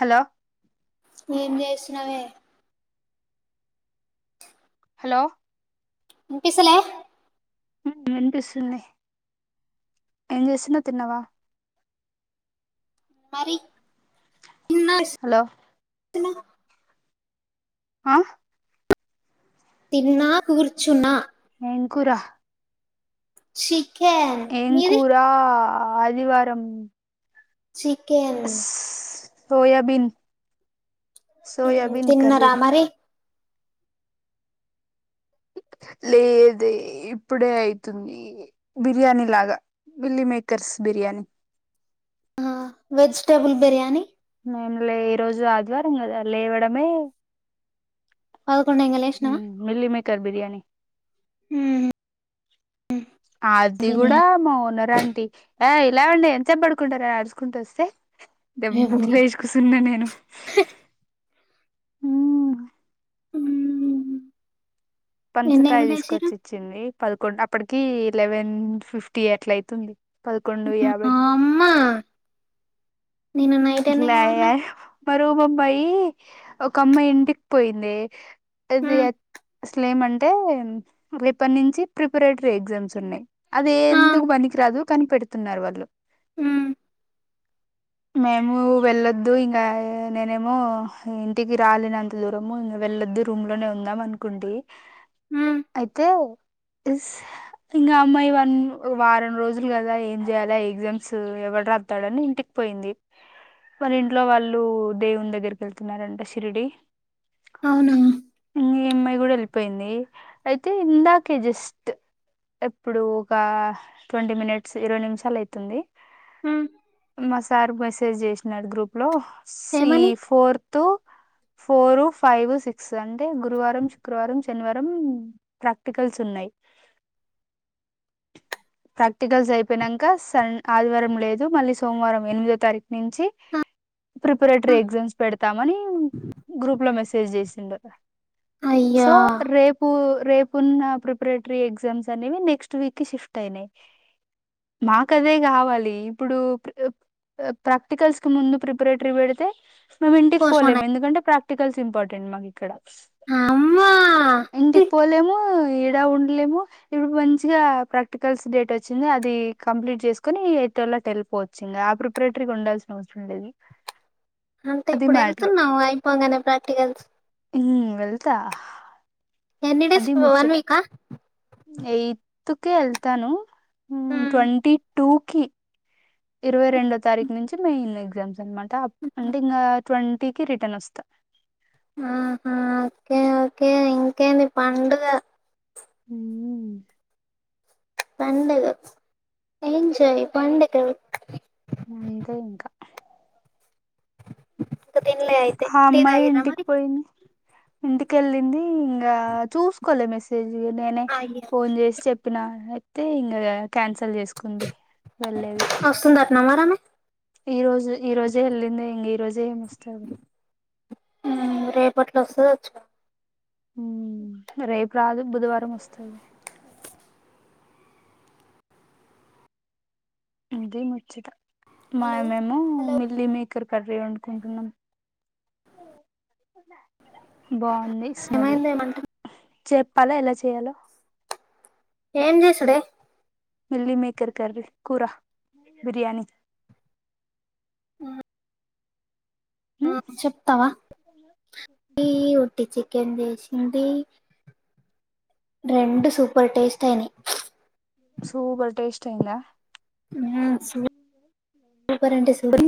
Hello ఏం చేస్ నవే హలో పిసలే వినిపిస్తుంది ఏం చేస్తున తిన్నావా ఇ మరి తిన్నా హలో ఆ తిన్నా కూర్చున్నా ఏంకురా శి ఏంకురా అదివారం చికెన్ సోయాబీన్ సోయాబీన్ తిన్న కర్రీ రా మరి లేదే ఇప్పుడే అయితుంది బిర్యానీ లాగా milli makers biryani vegetable biryani మేము లే ఈ రోజు ఆదివారం కదా లేవడమే పదకొండు ఎంగ లేసినావా మిల్లీ మేకర్ బిర్యానీ అది కూడా బిర్యానీ మా నరాంటి ఆ ఇలావండి ఎంత చెప్ప పడుకుంటారా అడుసుకుంటూ వస్తే రేపు దెబ్బలో ఇజకు సున్నా నేను హ హ పంచకాయ తీసుకొచ్చి ఇచ్చింది పదకొండు అప్పటికి లెవెన్ ఫిఫ్టీ ఎట్ల అయితుంది పదకొడు యాభై అమ్మ నేను నైట్ ఎన్ని ఎలా కావన్నావు బరు ముబయి కీ ఒక అమ్మాయి ఇంటిక్ పోయిందే దిఅద్ స్లేమ అంటే రేపట్నుంచి ప్రిపరేటివ్ ఎగ్జామ్స్ ఉన్నాయి అది ఆ ఎందుకు బనికి రాదు కని పెడుతున్నారు వాళ్ళు హమ్ మేము వెళ్ళొద్దు ఇంగా నేనేమో ఇంటికి రాలేనంత దూరము ఇ వెళ్ళొద్దు రూమ్లోనే ఉందాం అనుకుంటి ఉమ్, అయితే ఎస్ ఇంగా అ అమ్మాయి వన్ వారం రోజులు కదా ఏం జేయాలే ఎగ్జామ్స్ ఎవడ్ రాత్తడని ఇంటిక్ పోయింది మరి ఇంట్లో వాళ్ళు దేవున్ దగ్గరికి వెళ్తున్నారంట శిరిడి అవునా ఇఅమ్మాయ్ గూడ ఎళ్ళిపోయింది అయితే ఇందాకే జస్ట్ ఎప్పుడూ ఒకా ట్వంటీ మినిట్స్ ఇరవై నిమిషాలు అయితుంది హమ్ మా సార్ బస్ సేజ్ చేశ్నాడ్ గ్రూప్ లో సీ ఏమని ఫోర్త్ ట ఫోర్, ఫైవ్, సిక్స్ అంటే గురువారం, శుక్రవారం, శనివారం ప్రాక్టికల్స్ ఉన్నాయి ప్రాక్టికల్స్ అయిపోయినంక సండ్ ఆదివారం లేదు మళ్ళీ సోమవారం ఎనిమిదో తారీఖు నించి ఆ, ప్రిపరేటరీ ఎగ్జామ్స్ పెడతామనీ గ్రూప్ లో మెసేజ్ చేసి న్డు అయ్యో సో రేపూ రేపున్న ప్రిపరేటరీ ఎగ్జామ్స్ అనేవి నెక్స్ట్ వీక్ షిఫ్ట్ ఐనయ్ మాకదే కావాలి ఇప్పుడు ప్ ప్ ప్రాక్టికల్స్ కి ముందు ప్రిపరేటరీ పెడితే మేము ఇంటికి పోస్ట్పోన్ పోలేము ఎందుకంటె ప్రాక్ట్ ర్టికల్స్ ఇంపార్టెంట్ మాక్ ఇక్కడ అమ్మా ఇంటికి పోలేమూ ఇడా ఉండ్లేము ఇప్పుడు మంచిగా ప్రక్ ఆర్టికల్స్ డేట్ ఒచ్చింది అదీ కంప్లీట్ చేస్కోని ఇ ఎటోల్లు అట్ ఎల్లిపోవచ్చి ఇంగ ఆ ప్రిపరేటరీకి ఉండాల్సిన అవసరం లేదు అంటే అది ఇప్పుడు మ్యాటర్ ఎళ్తున్నావ అయిపోగానే ప్రాక్టికల్స్ హమ్ వెళ్తహ్ ఎన్ని డేస్ వన్ వీకా ఐత్తుకే ఎళ్తాను మ్ ట్వంటి టూకి ఇరవై రెండో తారీఖు నుంచి మెయిన్ ఎగ్జామ్స్ అన్మాట్ ట అంటే ఇంగా ట్వంటీకి రిటర్న్ ఒస్త ఆహా కే ఓకే ఇంకేంది పండుగో హూమ్ పండుగో ఎంజోయ్ పండుగో అంతే ఇంకా ఇంకా తినలే అయితే టీ అమ్మాయి తాగిర్రా ఇంటికి మరి పోయింది ఇంటికెళ్ళింది ఇంకా చూసుకోలే మెసేజ్ నేనే అయ్యా ఫోన్ చేసి చెప్పినా తే ఇంగ కేన్స్ ల్ చేసుకుంది వెళ్లేేది నమారమే ఈ రోజు ఈ రోజే వెళ్లింద ఇంగ ఈ రోజే ఏం వస్తాది రేపట్లో వస్తుంది వచ్చు ఉ రేపు రాదు బుధవారం వస్తుంది అది ముచ్చట హలో మేము ఏమో హలో మిల్లి మీేకర్ కర్రీ వండుకుంటున్నాం [unintelligible] బాగుంది స్మెల్ ఏమైంది ఏమంట చెప్పాలా ఎలా చేయాలో ఏం చేసడే మిల్లీ మేకర్ కర్రీ కూరా బిర్యానీ ఆ ఆ ఉమ్, చెప్తావా ఈ ఉట్టి చికెన్ చేసింది రెండు సూపర్ టేస్ట్ అయినాయి సూపర్ టేస్ట్ అయింద ఆ సు సూపర్ అంటే సూపర్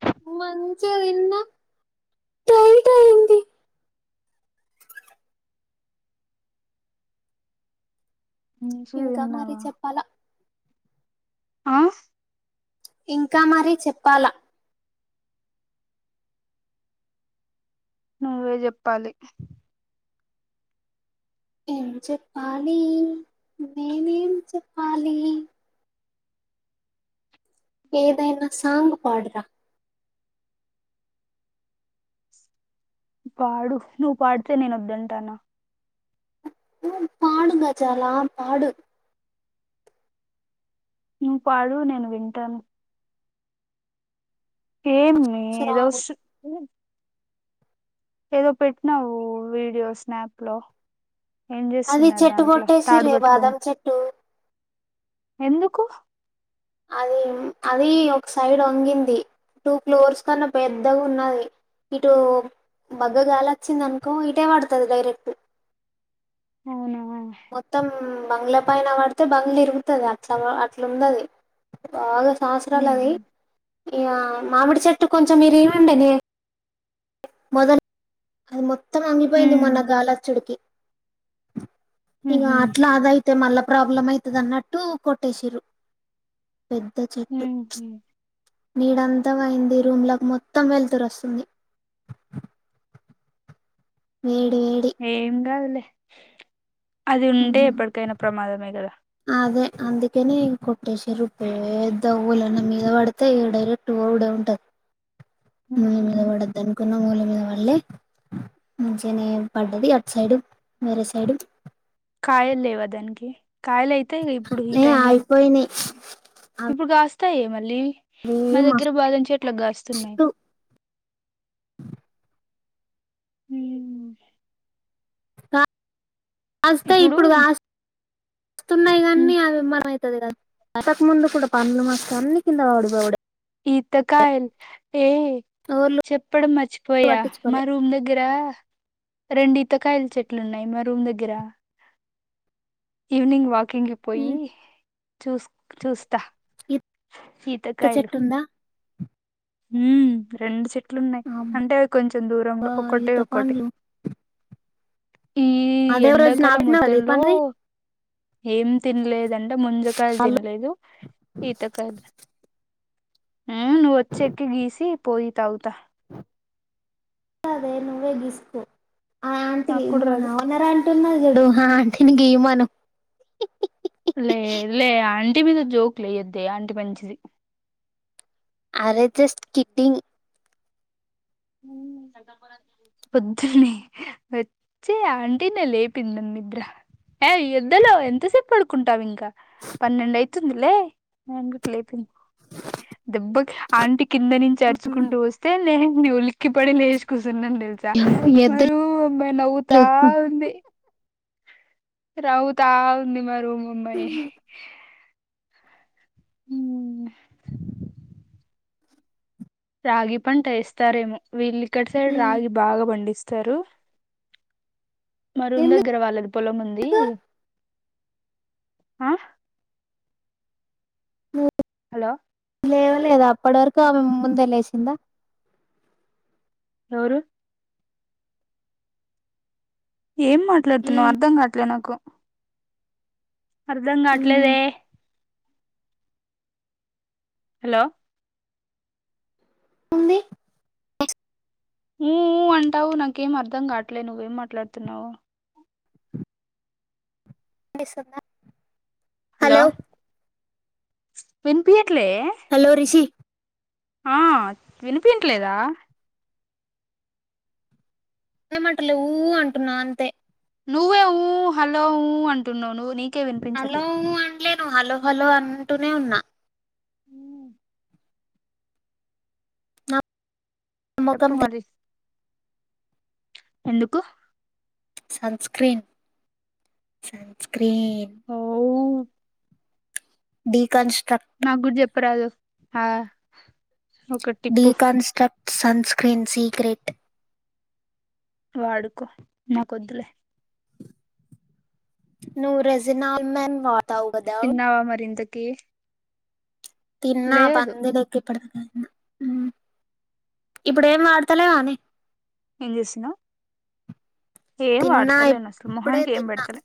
ఆ మంచిగా తిన్న టైట్ అయింది మంచిగా ఇంకా మరీ తిన్నావా చెప్పాలా ఆ ఇంకా మరీ చెప్పాలా నువ్వే చెప్పాలి ఏం చెప్పాలి నేను ఎం చెప్పాలి ఏదైనా సాంగ్ పాడురా పాడు నువ్వు పాడితే నేను వద్దంటానా ఊ పాడు గజాలా పాడు నువ్వు పాడు నేను వింటాను ఏమి సరే ఏదో ఆగు ఏదో పెట్టినావు వీడియో స్నాప్ లో ఏం అది చేస్తున్నారు చెట్టు దాంట్లో కొట్టేసి తాడు రే పట్టుకొని బాదం చెట్టు ఎందుకు అది అది ఒక సైడ్ వంగింది టూ ఫ్లోర్స్ కన్నా పెద్దగా ఉన్నది ఇటు బగ్గగాలి వచ్చింది అనుకో ఇటే పడుతుంది డైరెక్ట్ అవును మొత్తం బంగ్ళ పైన పడితే బంగ్ళ ఇరుగుతుది అతా అట్లా ఉందది బాగా, సాస్రాలు అవి ఉమ్ ఇగా మామిడి చెట్టు కొంచెం ఇరిగి ఉండనే మొదలు అది మొ, మొత్తం అంగిపోయింది మొన్న గాలి వచ్చుడుకు, ఇకా ఉహు అట్లా అవి ఐ, అయితే మళ్ళా ప్రాబ్లం అయ్యితాది అన్నట్టు కొట్టేసిరు, పెద్ద చెట్టు, ఉహు నీడ అంతం పోయింది రూమ్ లోకి మొత్తం వెల్తురు వస్తుంది, వేడి వేడి ఏం కాదులే, [inaudible] అది ఉంటే ఎప్పటికైనా ప్రమాదమే కదా, అదే అందుకనే కోటేసినూరు. పెద్ద ఓలాన్న మీద పడితే ఈ డైరెక్ట్ పోవుడే ఉంటంది, అహ ఓళ్ళ మీద పడలే మంచిగానే పడ్డది అటు సైడు వరి సైడు, కాయల్ లేవ దానికి, కాయలు అయితాయి ఇప్పుడు ఈ ఏ టైమ్ లా, అయిపోయినాయి ఇప్పుడు కాస్త ఏ మళ్ళీ, అవి మా దగ్గర బాదాం చెట్లకు గాస్తున్నాయి మస్తు [inaudible] హు కాస్తే ఇప్పుడు కాస్తే వస్తున్నాయి కాన్ని ఉమ్, అవి [unintelligible] అంతకు ముందు కూడా పండ్లు మస్త్ అన్ని కింద పడిపోడే, ఈతకాయల్ ఏ ఎవళ్ళు చెప్పడం మర్చిపోయా మా పట్టించుకోలే రూమ్ దగ్గరా, రెండు ఈతకాయల చెట్లు ఉన్నాయి మా రూమ్ దగ్గర, ఈవ్నింగ్ వాక్, కింగ్ పోయి, చూస్ చూస్ త ఈత కాయలు, చెట్టు ఉందా ఊ రెండు చెట్లు చేట్లున్నాయి అంటే అబ్బా అవి కొంచెం దూరంలో ఒకక్కటే ఈత ఒకక్కటి, పండ్లు అదే రోజు ఎండాకాలం నాది నాది మొత్తంలో పండ్లు తీయి ఏం తిన్లేదంటే ముంజకాయలు వాళ్ళు తినలేదు ఈతకాయలు ఆ చెక్కు గీసి పోయి తాగుత్తా అదే నువ్వేగీసుకో ఆ ఆంటి నాకు కూడా మన రాదు ఓనరు ఉన్నది చూడు ఆ అంటీని గీయిమాను లే లే అ అంటీ మీద జోక్లు ఎయద్దే అంటీ మంచిది అరే జస్ట్ కిడ్డింగ్ పొద్దుని వచ్చి ఆంటీ నే లేపింనను నిద్ర ఏ ఎద్దులో ఎంతసేపు పడుకుంటావు ఇంకా పన్నెండు అయితుందిలే నే లేపింది దెబ్బ ఆంటీ కింద నుంచి అరుచుకుంటూ వస్తే నేను ఒ లీకి పడి లేష్ కుసు జున్ననీ తెలుసా మరు ఎద్దులు అబ్బాయి నవ్వుతా ఉంది రవుత ఉంది మా రూమ్ ముంబై ఉ నే రాగి పంట ఏస్తారేమో వీల్లి ఇక్కడ సైడ్ రాగి బాగా పండిస్ తరు మా రూమ్ ఎందుకు దగ్గర వాళ్ళది పొలం ఉంది ఆ ఉ హలో లేవలేదా అప్పటి వరకు ఆమె ముందే లేసిందా ఎవరు ఏం మాట్లాడుతున్నావు అర్ధం కాట్లే నాకు అర్ధం కావట్లేదే హలో ఉంది ఊ ఉ అంటావు నాకేం అర్ధం కావట్లేదు నువ్వేం మాట్లాడుతున్నావో నటిస్తుంద హలో విన్పియా హలో రిషి ఆ వినిపిన్ ట్లేదా అలమంటలే ఊ అంటున్నా అంతే నువ్వే ఉ హలో ఉ అంటున్నావు ను నీ కే వినిపించట్లే లేను హలో హలో అంటూనే ఉన్నా [unintelligible] నా చెప్పు మరి ఎందుకు సన్స్క్రీన్ సన్స్క్రీన్ [unintelligible] ఓ బీకా అన్స్ నాకు కూడా చెప్ప అప్పడులు ఒక టిప్పు సన్స్క్రీన్ సీక్రెట్ వాడుకో నాకొద్దులే ను రజనా ఆల్మండ్ తిన్నావా మరి ఇంతకీ ఓకే తిన్నా పందిలోకి ఇప్పడు ఇప్పుడు ఏం అడతలేననే ఏం చేస్తున్నావ్ ఏం తిన్నా వాడతలేను అసలు ఇప్పుడే మొహన్నికి ఏం తిన్నా పెడతలే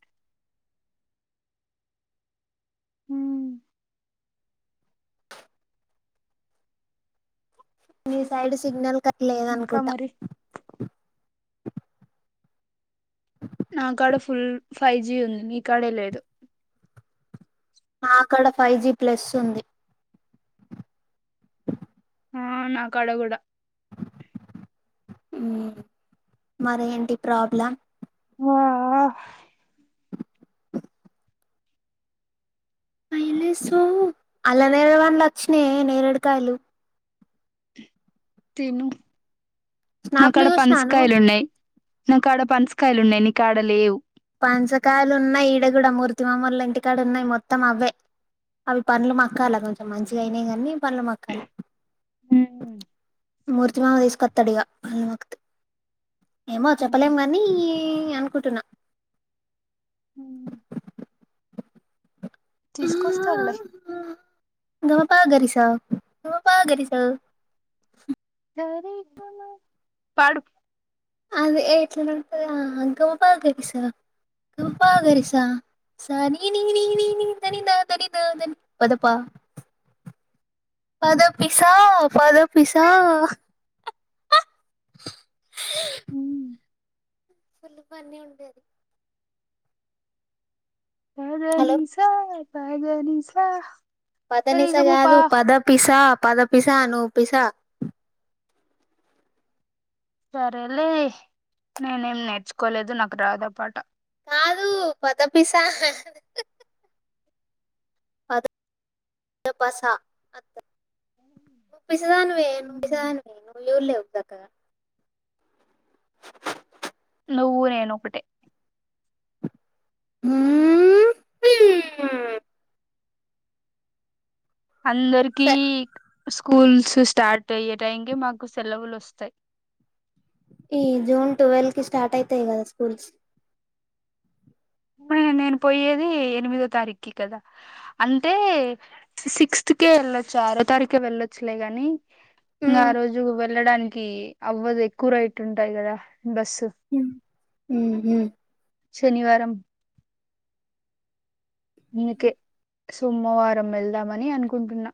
మ్మ్ మీ సైడ్ సిగ్నల్ కట్ ఇంకా లేదనుకుంటా మరి నాకాడ ఫుల్ ఫైవ్ జీ ఉంది మీకాడే లేదు నాకడ ఫైవ్ జి ప్లస్ ఉంది ఆ నా కడ కూడా మరి ఏంటి ప్రాబ్లం ఆ అలా నేరడు పండ్లు వచ్చినాయి నేరడు కాయలు తిను స్నాప్లు నాక్కడ చూసినాను పనసకాయలున్నాయి నాకు ఆడ పనసకాయలు ఉన్నాయి నీకు ఆడ లేవు పనసకాయలు ఉన్నాయి ఇడ కూడా మూర్తి మామూళ్ల ఇంటికాడ ఉన్నాయి మొత్తం అవే అవి పండ్లు మక్కాల కొంచెం మంచిగా అయినాయి కానీ పండ్లు మక్కల మూర్తి మామ తీసుకొత్తడిగా [unintelligible] ఏమో చెప్పలేం నీ అనుకుంటున్నా మ్మ్ తీసుకొస్తాడులే గమప గరిసా గమప గరిసా పాడు అది ఎట్లనో ఉంటదిగా గమప గరిసా గమప గరిసా సానీ నీ నీ నీ దని దని దని పదపా పదపిసా పదపిసా ఆ ఫుల్ ఫన్నీ ఉండేది. హలో పదనిసా పదనిసా పదనిస సరిగమపా కాదు పద పిసా పద పిసా నూ పిసా సరేలే నేనేం నేర్చుకోలేదు నాకు రాదు ఆ పాట. కాదు పడపిసా పద [inaudible] పిసదానివే ను పిసదానివి ను చుడ్లేవ్ సక్కగా నువ్వు నేన్ ఒకటే. మ్ అందరికీ స్కూల్స్ స్టార్ట్ అయ్యే టైంకి మాకు సెలవులు వస్తయి. ఈ జూన్ ట్వెల్వ్కి స్టార్ట్ అయితయి కదా స్కూల్స్ నేను పోయేది ఎనిమిదో తారీక్కి కదా అంటే సిక్స్త్కే వెళ్ళొచ్చు ఆరో తారీఖే వెళ్ళొచ్చులే గాని ఆ రోజు వెళ్ళడానికి అవ్వదు ఎక్కువ రైట్ ఉంటది కదా బస్సు మ్ శనివారం. అందుకే సోమవారం వెళ్దామని అనుకుంటున్నా.